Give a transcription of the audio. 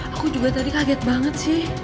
aku juga tadi kaget banget sih